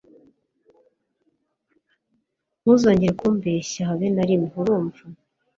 Ntuzongere kumbeshya habe narimwe urumva.